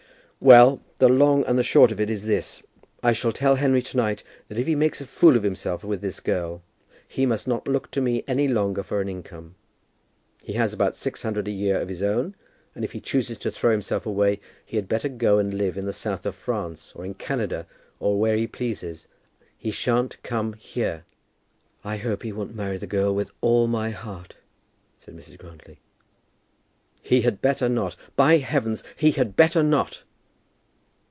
"Well, the long and the short of it is this, I shall tell Henry to night that if he makes a fool of himself with this girl, he must not look to me any longer for an income. He has about six hundred a year of his own, and if he chooses to throw himself away, he had better go and live in the south of France, or in Canada, or where he pleases. He shan't come here." "I hope he won't marry the girl, with all my heart," said Mrs. Grantly. "He had better not. By heavens, he had better not!"